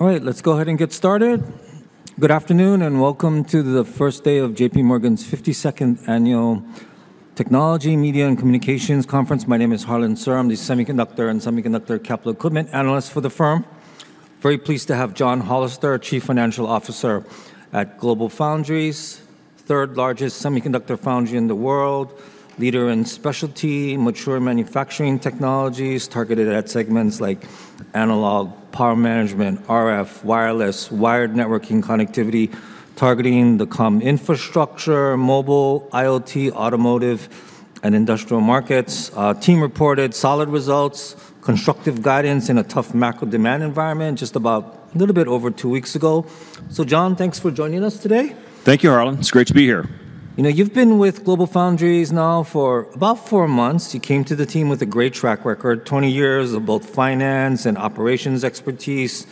All right, let's go ahead and get started. Good afternoon, and welcome to the first day of J.P. Morgan's 52nd Annual Technology, Media, and Communications Conference. My name is Harlan Sur. I'm the Semiconductor and Semiconductor Capital Equipment Analyst for the firm. Very pleased to have John Hollister, Chief Financial Officer at GlobalFoundries, 3rd-largest semiconductor foundry in the world, leader in specialty, mature manufacturing technologies, targeted at segments like analog, power management, RF, wireless, wired networking connectivity, targeting the comm infrastructure, mobile, IoT, automotive, and industrial markets. Team reported solid results, constructive guidance in a tough macro demand environment just about a little bit over 2 weeks ago. So John, thanks for joining us today. Thank you, Harlan. It's great to be here. You know, you've been with GlobalFoundries now for about four months. You came to the team with a great track record, 20 years of both finance and operations expertise,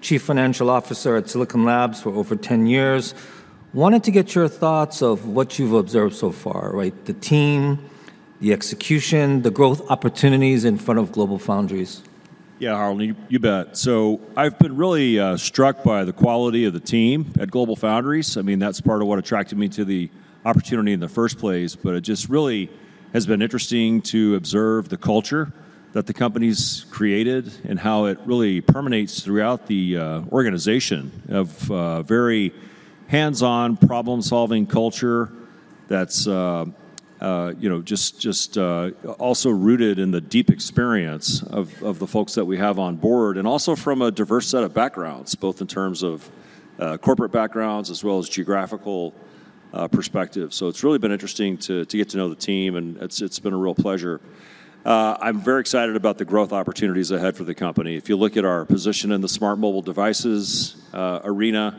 Chief Financial Officer at Silicon Labs for over 10 years. Wanted to get your thoughts of what you've observed so far, right? The team, the execution, the growth opportunities in front of GlobalFoundries. Yeah, Harlan, you bet. So I've been really struck by the quality of the team at GlobalFoundries. I mean, that's part of what attracted me to the opportunity in the first place. But it just really has been interesting to observe the culture that the company's created and how it really permeates throughout the organization of very hands-on problem-solving culture that's you know just also rooted in the deep experience of the folks that we have on board, and also from a diverse set of backgrounds, both in terms of corporate backgrounds as well as geographical perspective. So it's really been interesting to get to know the team, and it's been a real pleasure. I'm very excited about the growth opportunities ahead for the company. If you look at our position in the smart mobile devices arena,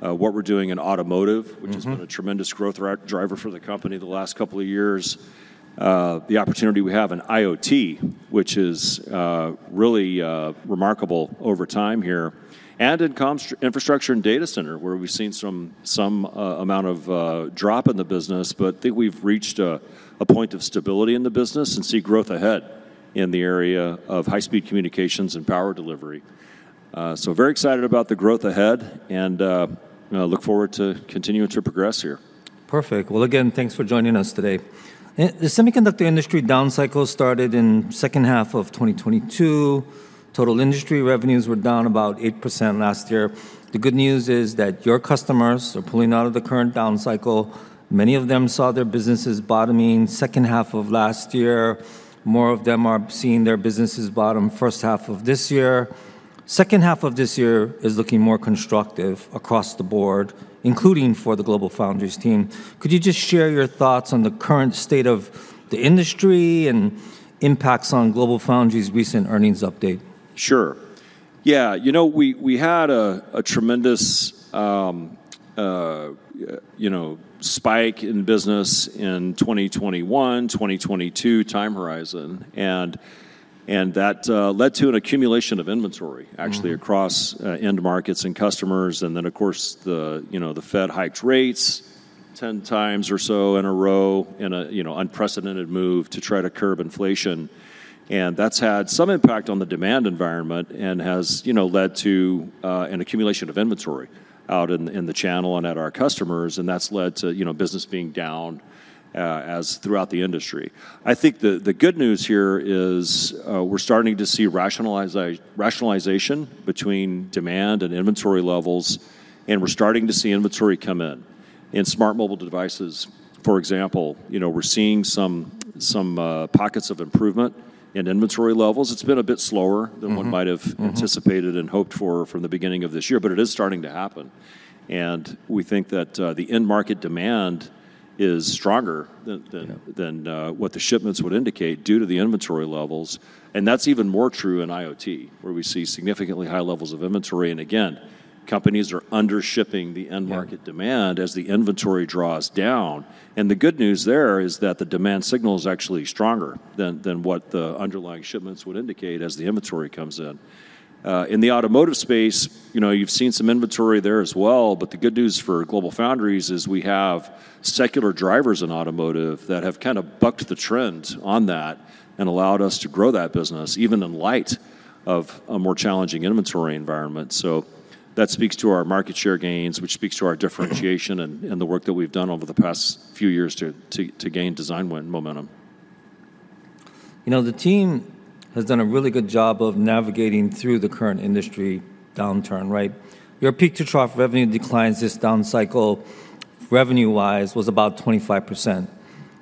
what we're doing in automotive which has been a tremendous growth driver for the company the last couple of years, the opportunity we have in IoT, which is really remarkable over time here, and in comms, infrastructure and data center, where we've seen some amount of drop in the business, but I think we've reached a point of stability in the business and see growth ahead in the area of high-speed communications and power delivery. So very excited about the growth ahead, and, you know, look forward to continuing to progress here. Perfect. Well, again, thanks for joining us today. The semiconductor industry downcycle started in second half of 2022. Total industry revenues were down about 8% last year. The good news is that your customers are pulling out of the current downcycle. Many of them saw their businesses bottoming second half of last year. More of them are seeing their businesses bottom first half of this year. Second half of this year is looking more constructive across the board, including for the GlobalFoundries team. Could you just share your thoughts on the current state of the industry and impacts on GlobalFoundries' recent earnings update? Sure. Yeah, you know, we had a tremendous, you know, spike in business in 2021, 2022 time horizon, and that led to an accumulation of inventory actually, across end markets and customers. And then, of course, the, you know, the Fed hiked rates 10x or so in a, you know, unprecedented move to try to curb inflation, and that's had some impact on the demand environment and has, you know, led to an accumulation of inventory out in the channel and at our customers, and that's led to, you know, business being down as throughout the industry. I think the good news here is, we're starting to see rationalization between demand and inventory levels, and we're starting to see inventory come in. In smart mobile devices, for example, you know, we're seeing some pockets of improvement in inventory levels. It's been a bit slower than one might have anticipated and hoped for from the beginning of this year, but it is starting to happen. And we think that, the end market demand is stronger than... Yeah ...what the shipments would indicate due to the inventory levels, and that's even more true in IoT, where we see significantly high levels of inventory. And again, companies are under shipping the end market.. Yeah ...demand as the inventory draws down. And the good news there is that the demand signal is actually stronger than what the underlying shipments would indicate as the inventory comes in. In the automotive space, you know, you've seen some inventory there as well, but the good news for GlobalFoundries is we have secular drivers in automotive that have kind of bucked the trend on that and allowed us to grow that business, even in light of a more challenging inventory environment. So that speaks to our market share gains, which speaks to our differentiation and the work that we've done over the past few years to gain design win momentum. You know, the team has done a really good job of navigating through the current industry downturn, right? Your peak-to-trough revenue declines this downcycle, revenue-wise, was about 25%.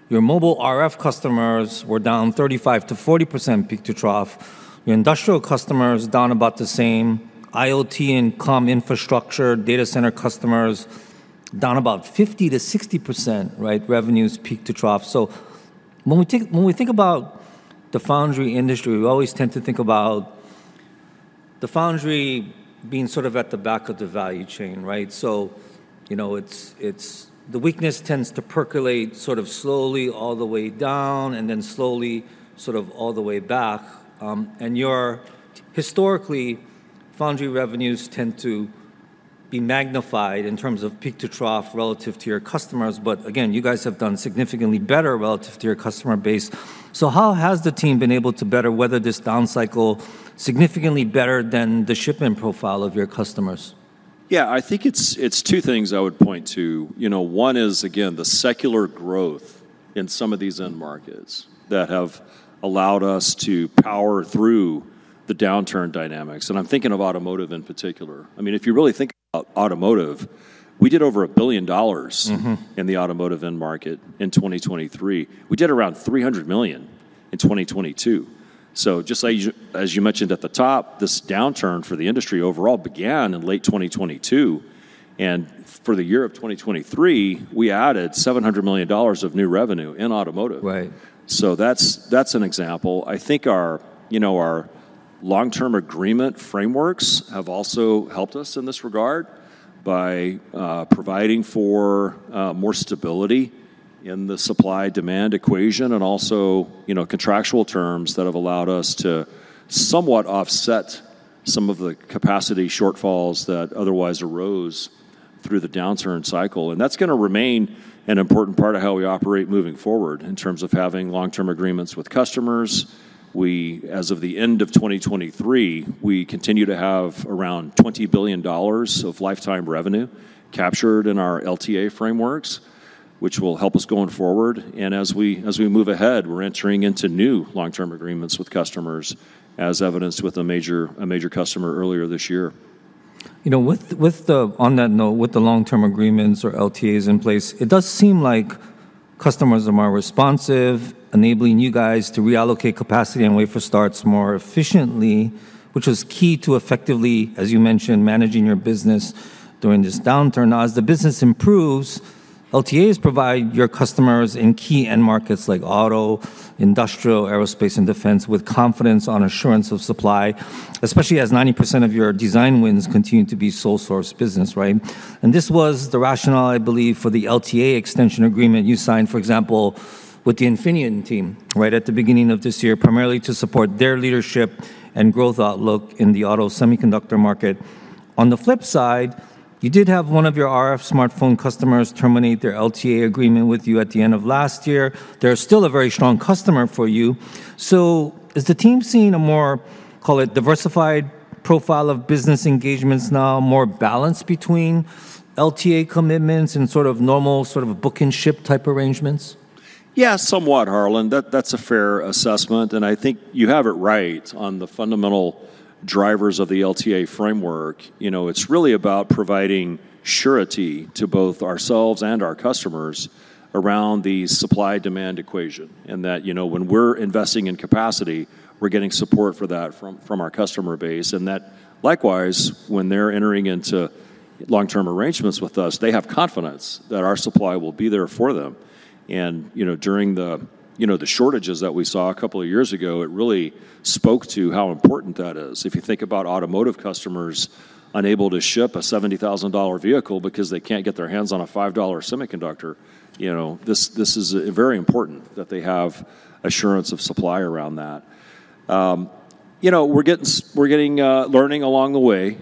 Your mobile RF customers were down 35%-40% peak to trough. Your industrial customers, down about the same. IoT and comm infrastructure, data center customers, down about 50%-60%, right? Revenues, peak to trough. So when we think about the foundry industry, we always tend to think about the foundry being sort of at the back of the value chain, right? So, you know, it's the weakness tends to percolate sort of slowly all the way down and then slowly sort of all the way back. And your historically, foundry revenues tend to... Be magnified in terms of peak to trough relative to your customers, but again, you guys have done significantly better relative to your customer base. So how has the team been able to better weather this down cycle significantly better than the shipment profile of your customers? Yeah, I think it's two things I would point to. You know, one is, again, the secular growth in some of these end markets that have allowed us to power through the downturn dynamics, and I'm thinking of automotive in particular. I mean, if you really think about automotive, we did over $1 billion. In the automotive end market in 2023. We did around $300 million in 2022. So just as you, as you mentioned at the top, this downturn for the industry overall began in late 2022, and for the year of 2023, we added $700 million of new revenue in automotive. Right. So that's, an example. I think our, you know, our long-term agreement frameworks have also helped us in this regard by providing for more stability in the supply-demand equation, and also, you know, contractual terms that have allowed us to somewhat offset some of the capacity shortfalls that otherwise arose through the downturn cycle. And that's gonna remain an important part of how we operate moving forward in terms of having long-term agreements with customers. We, as of the end of 2023, we continue to have around $20 billion of lifetime revenue captured in our LTA frameworks, which will help us going forward. And as we, as we move ahead, we're entering into new long-term agreements with customers, as evidenced with a major, a major customer earlier this year. You know, with the - on that note, with the long-term agreements or LTAs in place, it does seem like customers are more responsive, enabling you guys to reallocate capacity and wafer starts more efficiently, which was key to effectively, as you mentioned, managing your business during this downturn. Now, as the business improves, LTAs provide your customers in key end markets like auto, industrial, aerospace, and defense with confidence on assurance of supply, especially as 90% of your design wins continue to be sole-source business, right? And this was the rationale, I believe, for the LTA extension agreement you signed, for example, with the Infineon team right at the beginning of this year, primarily to support their leadership and growth outlook in the auto semiconductor market. On the flip side, you did have one of your RF smartphone customers terminate their LTA agreement with you at the end of last year. They're still a very strong customer for you. So is the team seeing a more, call it, diversified profile of business engagements now, more balanced between LTA commitments and sort of normal sort of book and ship type arrangements? Yeah, somewhat, Harlan. That, that's a fair assessment, and I think you have it right on the fundamental drivers of the LTA framework. You know, it's really about providing surety to both ourselves and our customers around the supply-demand equation, and that, you know, when we're investing in capacity, we're getting support for that from our customer base, and that likewise, when they're entering into long-term arrangements with us, they have confidence that our supply will be there for them. And, you know, during the, you know, the shortages that we saw a couple of years ago, it really spoke to how important that is. If you think about automotive customers unable to ship a $70,000 vehicle because they can't get their hands on a $5 semiconductor, you know, this is very important that they have assurance of supply around that. You know, we're getting learning along the way.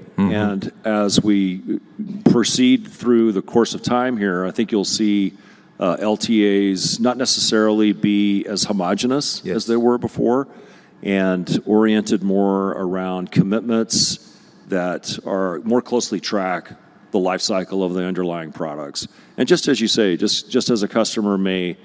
As we proceed through the course of time here, I think you'll see, LTAs not necessarily be as homogeneous... Yes ...as they were before and oriented more around commitments that are more closely track the life cycle of the underlying products. And just as you say, just as a customer may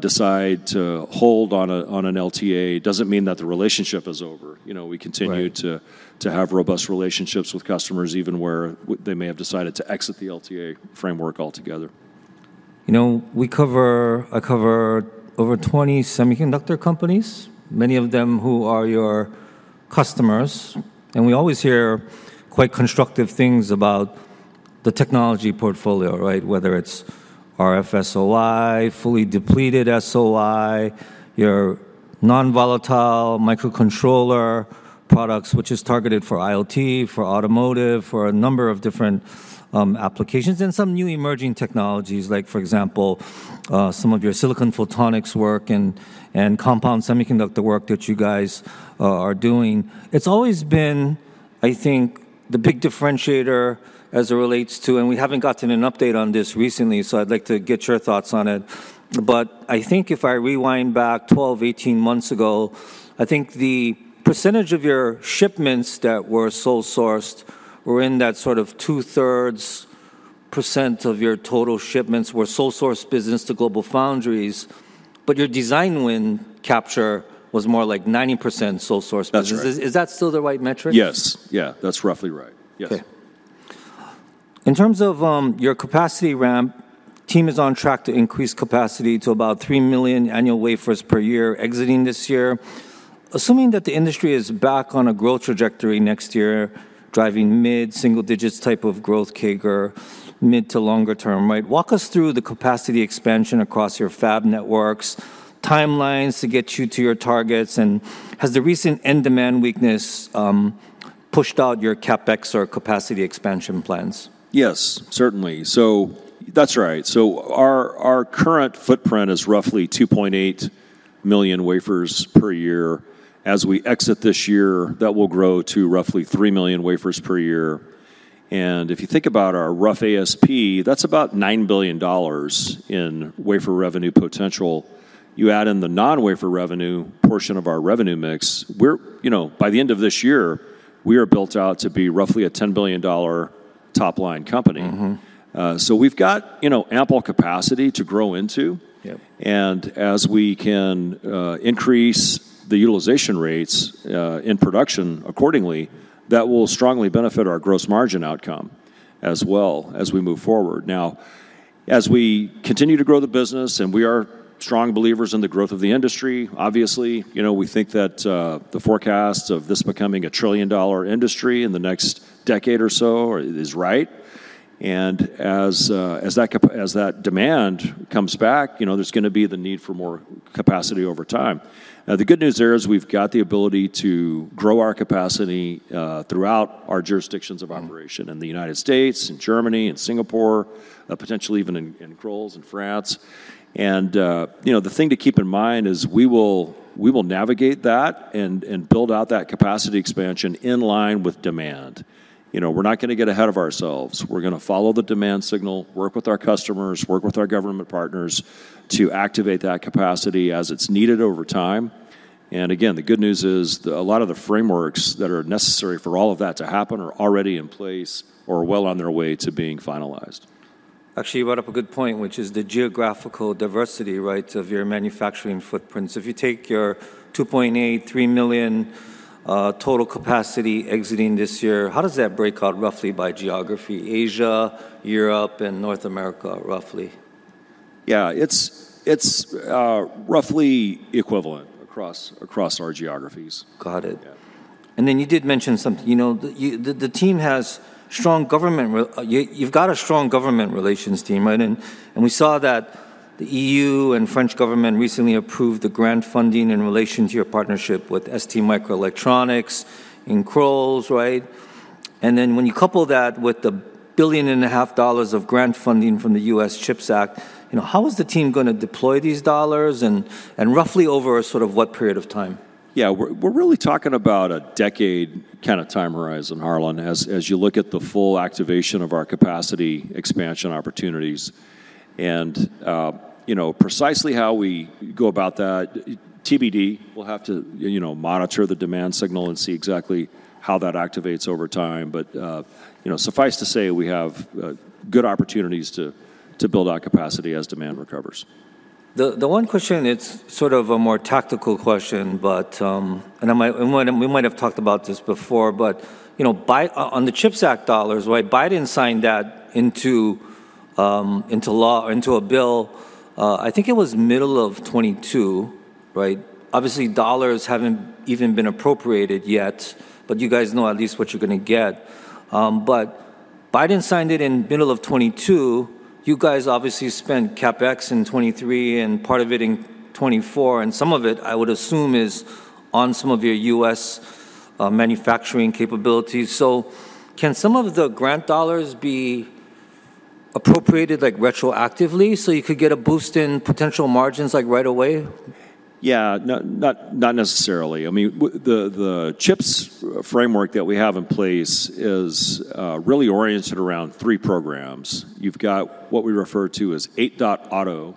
decide to hold on an LTA, doesn't mean that the relationship is over. You know, we continue... Right ...to have robust relationships with customers, even where they may have decided to exit the LTA framework altogether. You know, we cover, I cover over 20 semiconductor companies, many of them who are your customers, and we always hear quite constructive things about the technology portfolio, right? Whether it's RF SOI, fully depleted SOI, your non-volatile microcontroller products, which is targeted for IoT, for automotive, for a number of different applications, and some new emerging technologies, like, for example, some of your silicon photonics work and compound semiconductor work that you guys are doing. It's always been, I think, the big differentiator as it relates to... And we haven't gotten an update on this recently, so I'd like to get your thoughts on it. But I think if I rewind back 12, 18 months ago, I think the percentage of your shipments that were sole-sourced were in that sort of 2/3% of your total shipments were sole-source business to GlobalFoundries, but your design win capture was more like 90% sole-source. That's right. Is that still the right metric? Yes. Yeah, that's roughly right. Yes. Okay. In terms of, your capacity ramp, Tom is on track to increase capacity to about 3 million annual wafers per year exiting this year. Assuming that the industry is back on a growth trajectory next year, driving mid-single-digits type of growth CAGR, mid to longer term, right? Walk us through the capacity expansion across your fab networks, timelines to get you to your targets, and has the recent end demand weakness, pushed out your CapEx or capacity expansion plans? Yes, certainly. So that's right. So our, our current footprint is roughly 2.8 million wafers per year. As we exit this year, that will grow to roughly 3 million wafers per year. And if you think about our rough ASP, that's about $9 billion in wafer revenue potential. You add in the non-wafer revenue portion of our revenue mix, we're, you know, by the end of this year, we are built out to be roughly a $10 billion top-line company. So we've got, you know, ample capacity to grow into. Yep. As we can increase the utilization rates in production accordingly, that will strongly benefit our gross margin outcome as well as we move forward. Now, as we continue to grow the business, and we are strong believers in the growth of the industry, obviously, you know, we think that the forecasts of this becoming a trillion-dollar industry in the next decade or so is right. As that demand comes back, you know, there's gonna be the need for more capacity over time. The good news there is we've got the ability to grow our capacity throughout our jurisdictions of operation. In the United States, in Germany, in Singapore, potentially even in Crolles, in France. And, you know, the thing to keep in mind is we will navigate that and build out that capacity expansion in line with demand. You know, we're not gonna get ahead of ourselves. We're gonna follow the demand signal, work with our customers, work with our government partners, to activate that capacity as it's needed over time. And again, the good news is the - a lot of the frameworks that are necessary for all of that to happen are already in place or well on their way to being finalized. Actually, you brought up a good point, which is the geographical diversity, right, of your manufacturing footprints. If you take your 2.83 million total capacity exiting this year, how does that break out roughly by geography? Asia, Europe, and North America, roughly. Yeah, it's roughly equivalent across our geographies. Got it. Yeah. And then you did mention something. You know, you've got a strong government relations team, right? And we saw that the EU and French government recently approved the grant funding in relation to your partnership with STMicroelectronics in Crolles, right? And then when you couple that with the $1.5 billion of grant funding from the U.S. CHIPS Act, you know, how is the team gonna deploy these dollars, and roughly over a sort of what period of time? Yeah. We're really talking about a decade kind of time horizon, Harlan, as you look at the full activation of our capacity expansion opportunities. And, you know, precisely how we go about that, TBD, we'll have to, you know, monitor the demand signal and see exactly how that activates over time. But, you know, suffice to say, we have good opportunities to build our capacity as demand recovers. The one question, it's sort of a more tactical question, but, and I might, and we might have talked about this before, but, you know, on the CHIPS Act dollars, right, Biden signed that into law, into a bill, I think it was middle of 2022, right? Obviously, dollars haven't even been appropriated yet, but you guys know at least what you're gonna get. But Biden signed it in middle of 2022. You guys obviously spent CapEx in 2023 and part of it in 2024, and some of it, I would assume, is on some of your U.S. manufacturing capabilities. So can some of the grant dollars be appropriated, like, right away? Yeah. Not necessarily. I mean, the CHIPS framework that we have in place is really oriented around three programs. You've got what we refer to as 8.0 auto,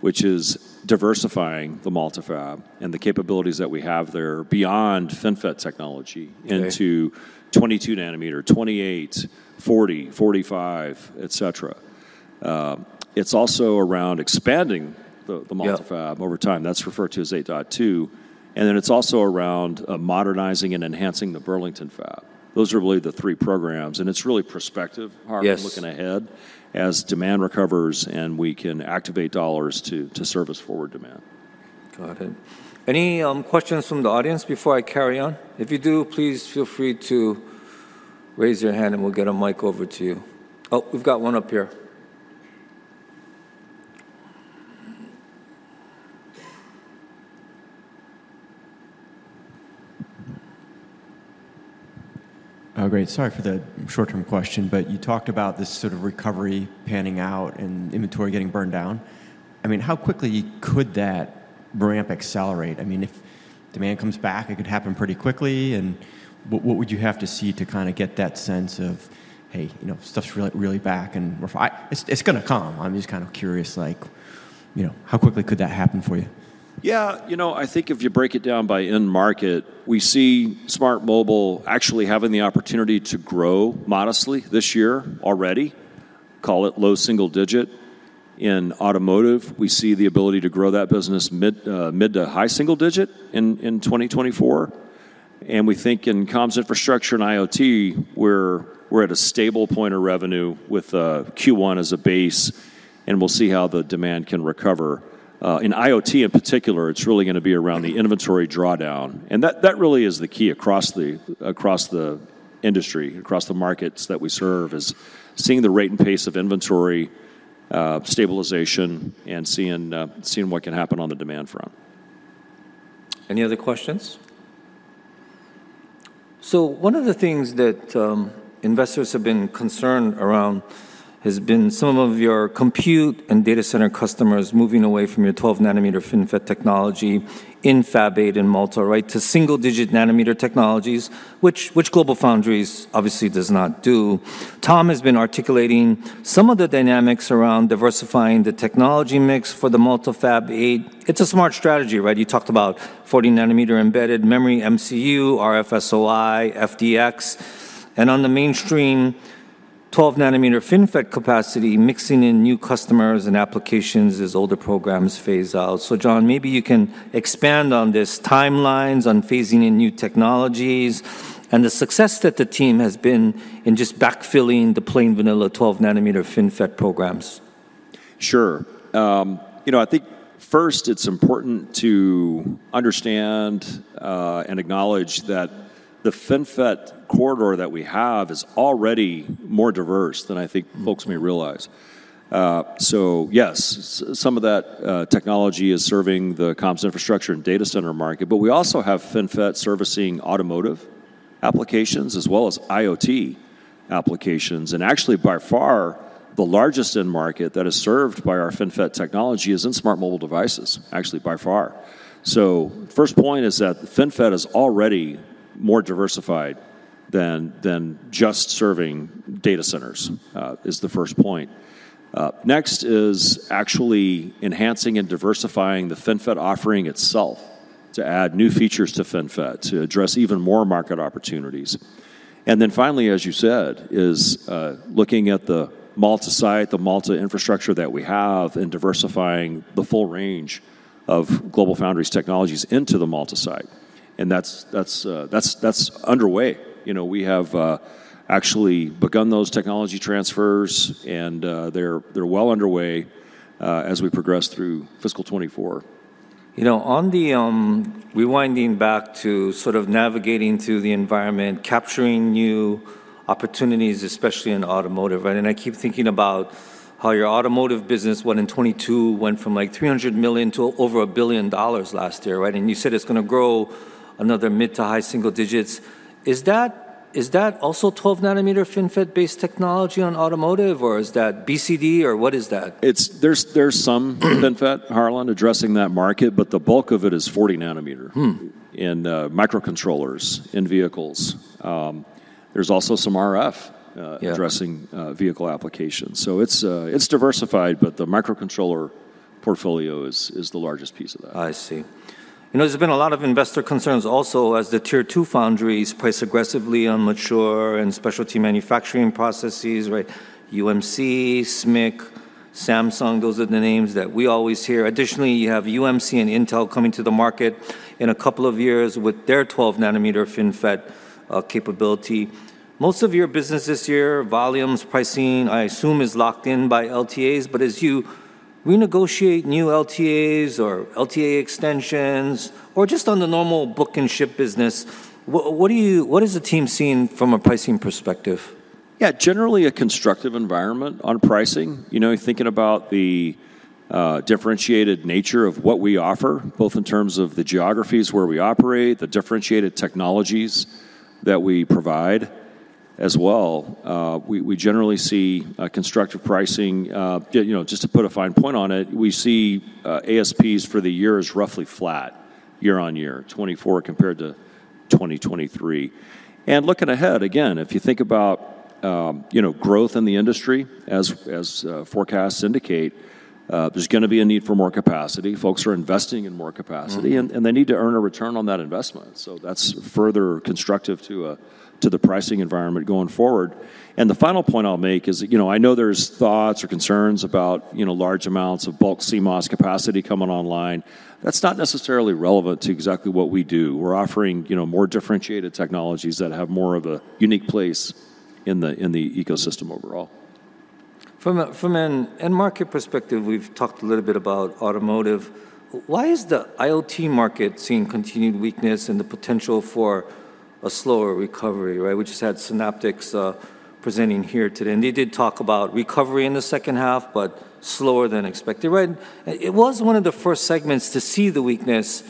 which is diversifying the Malta fab and the capabilities that we have there beyond FinFET technology... Okay ...into 22 nanometer, 28, 40, 45, et cetera. It's also around expanding the Malta fab... Yeah ...over time. That's referred to as 8.2. And then it's also around modernizing and enhancing the Burlington fab. Those are really the three programs, and it's really prospective... Yes ...Harlan, looking ahead, as demand recovers, and we can activate dollars to service forward demand. Got it. Any questions from the audience before I carry on? If you do, please feel free to raise your hand, and we'll get a mic over to you. Oh, we've got one up here. Oh, great. Sorry for the short-term question, but you talked about this sort of recovery panning out and inventory getting burned down. I mean, how quickly could that ramp accelerate? I mean, if demand comes back, it could happen pretty quickly, and what would you have to see to kind of get that sense of, "Hey, you know, stuff's really, really back, and we're fine?" It's gonna come. I'm just kind of curious, like, you know, how quickly could that happen for you? Yeah, you know, I think if you break it down by end market, we see smart mobile actually having the opportunity to grow modestly this year already, call it low-single-digit. In automotive, we see the ability to grow that business mid to high single digit in 2024. And we think in comms infrastructure and IoT, we're at a stable point of revenue with Q1 as a base, and we'll see how the demand can recover. In IoT, in particular, it's really gonna be around the inventory drawdown, and that really is the key across the across the industry, across the markets that we serve, is seeing the rate and pace of inventory stabilization, and seeing what can happen on the demand front. Any other questions? So one of the things that investors have been concerned around has been some of your compute and data center customers moving away from your 12 nm FinFET technology in Fab 8 in Malta, right, to single-digit nm technologies, which GlobalFoundries obviously does not do. Tom has been articulating some of the dynamics around diversifying the technology mix for the Malta Fab 8. It's a smart strategy, right? You talked about 40 nm embedded memory, MCU, RFSOI, FDX, and on the mainstream, 12 nm FinFET capacity, mixing in new customers and applications as older programs phase out. So John, maybe you can expand on these timelines, on phasing in new technologies, and the success that the team has been in just backfilling the plain vanilla 12 nm FinFET programs. Sure. You know, I think first it's important to understand and acknowledge that the FinFET corridor that we have is already more diverse than I think folks may realize. So yes, some of that technology is serving the compute infrastructure and data center market, but we also have FinFET servicing automotive applications as well as IoT applications. And actually, by far, the largest end market that is served by our FinFET technology is in smart mobile devices, actually, by far. So first point is that FinFET is already more diversified than just serving data centers is the first point. Next is actually enhancing and diversifying the FinFET offering itself to add new features to FinFET, to address even more market opportunities. And then finally, as you said, is looking at the Malta site, the Malta infrastructure that we have, and diversifying the full range of GlobalFoundries technologies into the Malta site. And that's, that's underway. You know, we have actually begun those technology transfers, and they're well underway, as we progress through fiscal 2024. You know, on the rewinding back to sort of navigating through the environment, capturing new opportunities, especially in automotive, right? And I keep thinking about how your automotive business went in 2022, went from, like, $300 million to over $1 billion last year, right? And you said it's gonna grow another mid-to high-single digits. Is that, is that also 12-nanometer FinFET-based technology on automotive, or is that BCD, or what is that? There's some FinFET, Harlan, addressing that market, but the bulk of it is 40 nanometer in microcontrollers, in vehicles. There's also some RF... Yeah ...addressing vehicle applications. So it's diversified, but the microcontroller portfolio is the largest piece of that. I see. You know, there's been a lot of investor concerns also as the Tier 2 foundries price aggressively on mature and specialty manufacturing processes, right? UMC, SMIC, Samsung, those are the names that we always hear. Additionally, you have UMC and Intel coming to the market in a couple of years with their 12nm FinFET capability. Most of your business this year, volumes, pricing, I assume, is locked in by LTAs, but as you renegotiate new LTAs or LTA extensions, or just on the normal book and ship business, what is the team seeing from a pricing perspective? Yeah, generally a constructive environment on pricing. You know, thinking about the differentiated nature of what we offer, both in terms of the geographies where we operate, the differentiated technologies that we provide as well, we generally see a constructive pricing. You know, just to put a fine point on it, we see ASPs for the year is roughly flat year-on-year, 2024 compared to 2023. And looking ahead, again, if you think about, you know, growth in the industry as forecasts indicate, there's gonna be a need for more capacity. Folks are investing in more capacity and they need to earn a return on that investment. So that's further constructive to the pricing environment going forward. And the final point I'll make is, you know, I know there's thoughts or concerns about, you know, large amounts of Bulk CMOS capacity coming online. That's not necessarily relevant to exactly what we do. We're offering, you know, more differentiated technologies that have more of a unique place in the ecosystem overall. From an end market perspective, we've talked a little bit about automotive. Why is the IoT market seeing continued weakness and the potential for a slower recovery, right? We just had Synaptics presenting here today, and they did talk about recovery in the second half, but slower than expected, right? It was one of the first segments to see the weakness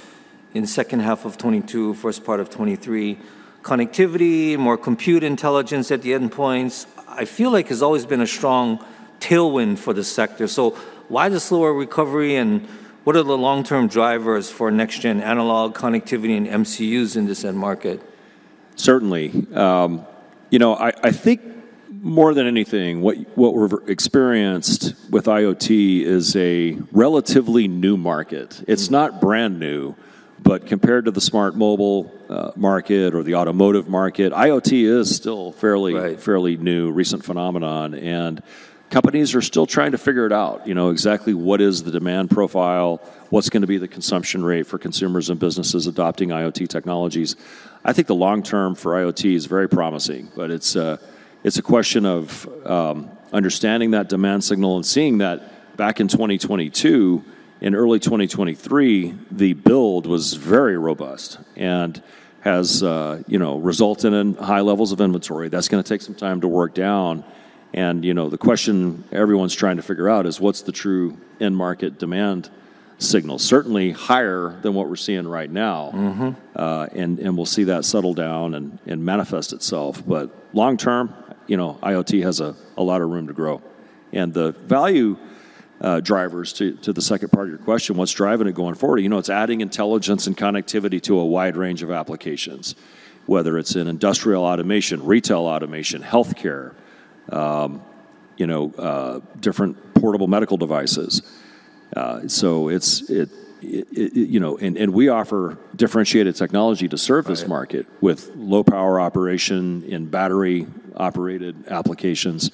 in second half of 2022, first part of 2023. Connectivity, more compute intelligence at the endpoints, I feel like has always been a strong tailwind for the sector. So why the slower recovery, and what are the long-term drivers for next-gen analog connectivity and MCUs in this end market? Certainly. You know, I think more than anything, what we've experienced with IoT is a relatively new market. It's not brand new, but compared to the smart mobile market or the automotive market, IoT is still fairly... Right ...fairly new, recent phenomenon, and companies are still trying to figure it out. You know, exactly what is the demand profile? What's gonna be the consumption rate for consumers and businesses adopting IoT technologies? I think the long term for IoT is very promising, but it's a question of understanding that demand signal and seeing that back in 2022, in early 2023, the build was very robust and has, you know, resulted in high levels of inventory. That's gonna take some time to work down. And, you know, the question everyone's trying to figure out is: What's the true end market demand signal? Certainly higher than what we're seeing right now. And we'll see that settle down and manifest itself. But long term, you know, IoT has a lot of room to grow. And the value drivers to the second part of your question, what's driving it going forward? You know, it's adding intelligence and connectivity to a wide range of applications, whether it's in industrial automation, retail automation, healthcare, you know, different portable medical devices. So it's you know, and we offer differentiated technology to serve this market... Right ...with low power operation and battery-operated applications.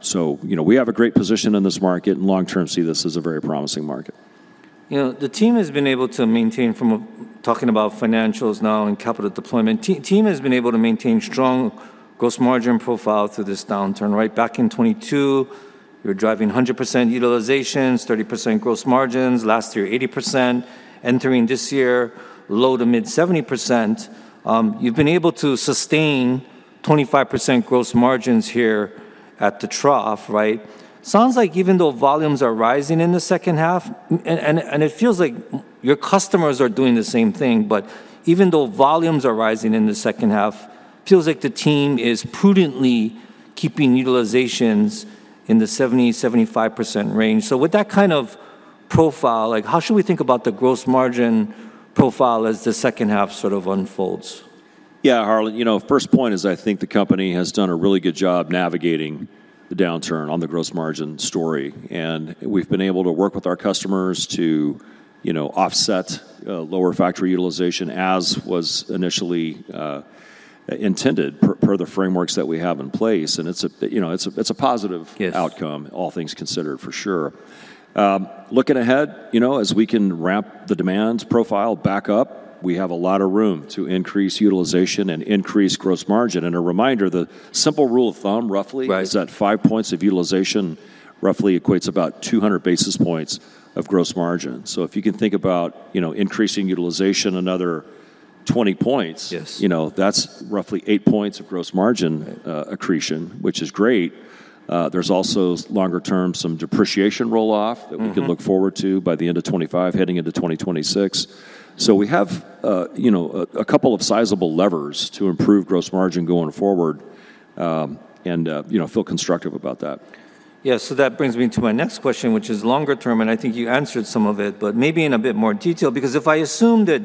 So, you know, we have a great position in this market, and long term, see this as a very promising market. You know, the team has been able to maintain strong gross margin profile through this downturn. Right back in 2022, you were driving 100% utilizations, 30% gross margins. Last year, 80%. Entering this year, low-to-mid 70%. You've been able to sustain 25% gross margins here at the trough, right? Sounds like even though volumes are rising in the second half, and it feels like your customers are doing the same thing, but even though volumes are rising in the second half, feels like the team is prudently keeping utilizations in the 70%-75% range. So with that kind of profile, like, how should we think about the gross margin profile as the second half sort of unfolds? Yeah, Harley, you know, first point is I think the company has done a really good job navigating the downturn on the gross margin story. And we've been able to work with our customers to, you know, offset lower factory utilization as was initially intended per the frameworks that we have in place, and it's a, you know, positive... Yes ...outcome, all things considered, for sure. Looking ahead, you know, as we can ramp the demand profile back up, we have a lot of room to increase utilization and increase gross margin. And a reminder, the simple rule of thumb, roughly... Right ...is that 5 points of utilization roughly equates about 200 basis points of gross margin. So if you can think about, you know, increasing utilization another 20 points... Yes ...you know, that's roughly 8 points of gross margin, accretion, which is great. There's also, longer term, some depreciation roll-off that we can look forward to by the end of 2025, heading into 2026. So we have, you know, a couple of sizable levers to improve gross margin going forward, and, you know, feel constructive about that. Yeah, so that brings me to my next question, which is longer term, and I think you answered some of it, but maybe in a bit more detail, because if I assume that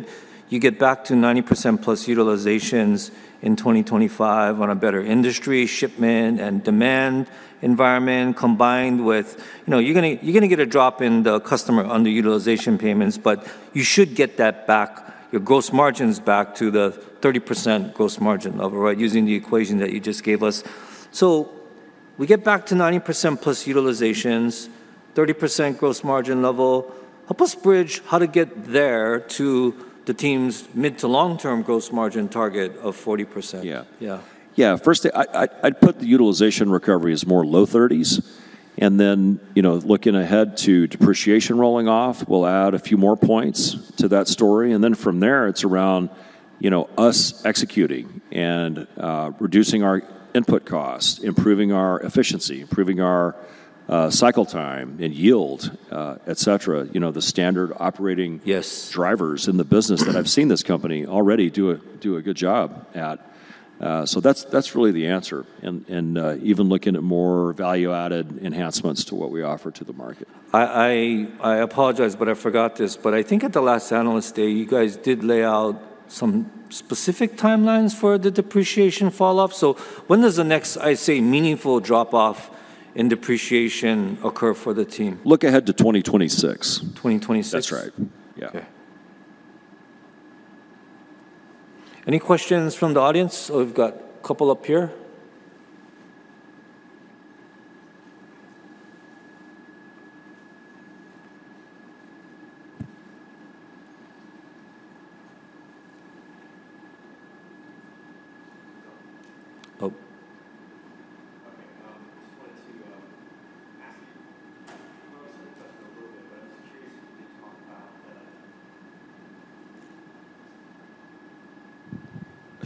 you get back to 90%+ utilizations in 2025 on a better industry shipment and demand environment, combined with... You know, you're gonna, you're gonna get a drop in the customer underutilization payments, but you should get that back, your gross margins back to the 30% gross margin level, right? Using the equation that you just gave us. So we get back to 90%+ utilizations, 30% gross margin level. Help us bridge how to get there to the team's mid to long-term gross margin target of 40%. Yeah. Yeah. Yeah. First, I’d put the utilization recovery as more low-30s, and then, you know, looking ahead to depreciation rolling off, we’ll add a few more points to that story. And then from there, it’s around, you know, us executing and reducing our input costs, improving our efficiency, improving our cycle time and yield, et cetera. You know, the standard operating... Yes ...drivers in the business that I've seen this company already do a good job at. So that's really the answer, and even looking at more value-added enhancements to what we offer to the market. I apologize, but I forgot this, but I think at the last Analyst Day, you guys did lay out some specific timelines for the depreciation fall-off. So when does the next, I'd say, meaningful drop-off in depreciation occur for the team? Look ahead to 2026. 2026? That's right. Yeah. Okay. Any questions from the audience? We've got a couple up here.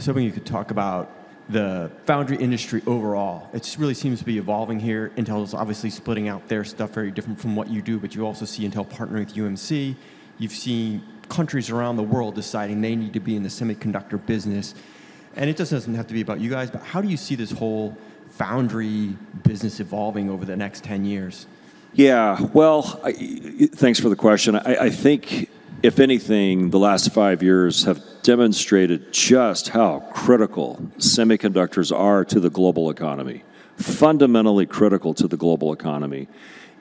Oh. Okay, just wanted to ask you, you probably sort of touched on it a little bit, but I'm just curious if you could talk about the... I was hoping you could talk about the foundry industry overall. It just really seems to be evolving here. Intel is obviously splitting out their stuff very different from what you do, but you also see Intel partnering with UMC. You've seen countries around the world deciding they need to be in the semiconductor business, and it just doesn't have to be about you guys, but how do you see this whole foundry business evolving over the next 10 years? Yeah. Well, thanks for the question. I think, if anything, the last five years have demonstrated just how critical semiconductors are to the global economy, fundamentally critical to the global economy.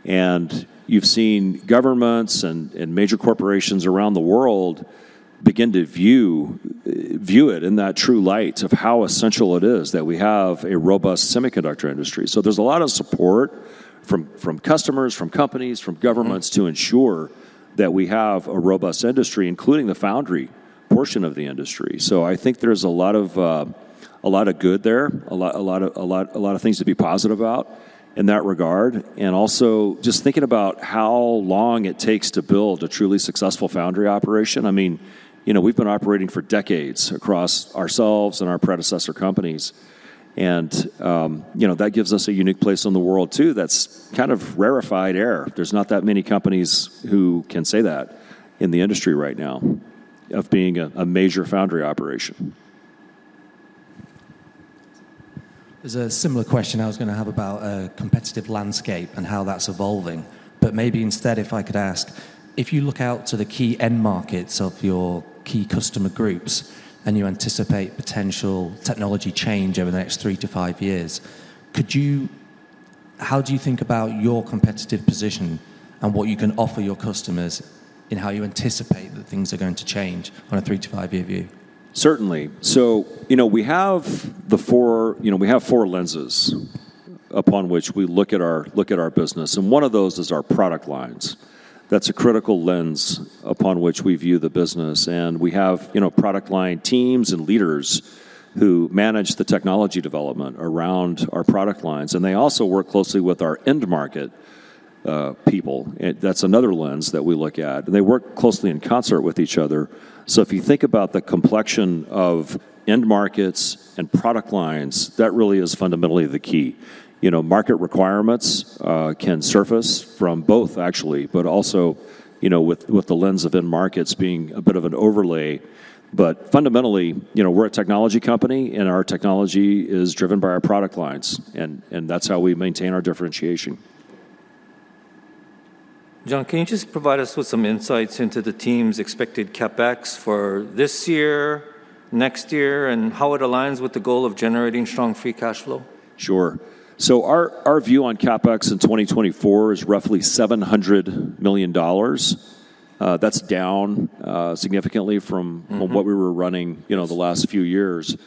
And you've seen governments and major corporations around the world begin to view it in that true light of how essential it is that we have a robust semiconductor industry. So there's a lot of support from customers, from companies, from governments to ensure that we have a robust industry, including the foundry portion of the industry. So I think there's a lot of good there, a lot of things to be positive about in that regard. And also, just thinking about how long it takes to build a truly successful foundry operation, I mean, you know, we've been operating for decades across ourselves and our predecessor companies and, you know, that gives us a unique place in the world, too. That's kind of rarefied air. There's not that many companies who can say that in the industry right now of being a major foundry operation. There's a similar question I was gonna have about competitive landscape and how that's evolving, but maybe instead, if I could ask, if you look out to the key end markets of your key customer groups, and you anticipate potential technology change over the next 3 to 5 years, could you, how do you think about your competitive position and what you can offer your customers in how you anticipate that things are going to change on a 3 to 5 year view? Certainly. So, you know, we have the four, you know, we have four lenses upon which we look at our, look at our business, and one of those is our product lines. That's a critical lens upon which we view the business, and we have, you know, product line teams and leaders who manage the technology development around our product lines, and they also work closely with our end market people. And that's another lens that we look at. They work closely in concert with each other. So if you think about the complexion of end markets and product lines, that really is fundamentally the key. You know, market requirements can surface from both actually, but also, you know, with the lens of end markets being a bit of an overlay. Fundamentally, you know, we're a technology company, and our technology is driven by our product lines, and that's how we maintain our differentiation. John, can you just provide us with some insights into the team's expected CapEx for this year, next year, and how it aligns with the goal of generating strong free cash flow? Sure. So our view on CapEx in 2024 is roughly $700 million. That's down significantly from what we were running, you know, the last few years.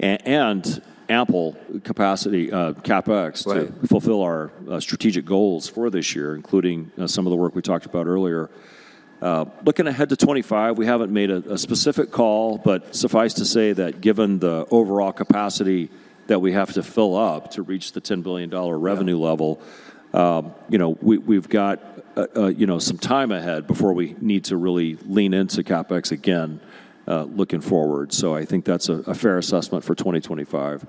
And ample capacity, CapEx... Right ...to fulfill our strategic goals for this year, including some of the work we talked about earlier. Looking ahead to 2025, we haven't made a specific call, but suffice to say that given the overall capacity that we have to fill up to reach the $10 billion revenue level, you know, we've got, you know, some time ahead before we need to really lean into CapEx again, looking forward. So I think that's a fair assessment for 2025,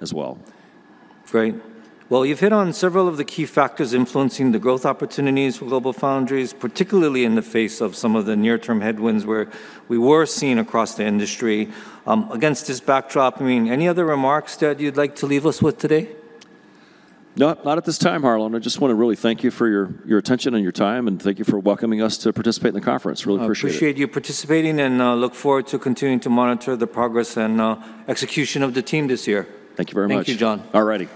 as well. Great. Well, you've hit on several of the key factors influencing the growth opportunities for GlobalFoundries, particularly in the face of some of the near-term headwinds where we were seeing across the industry. Against this backdrop, I mean, any other remarks that you'd like to leave us with today? Not at this time, Harlan. I just want to really thank you for your attention and your time, and thank you for welcoming us to participate in the conference. Really appreciate it. I appreciate you participating, and look forward to continuing to monitor the progress and execution of the team this year. Thank you very much. Thank you, John. All righty.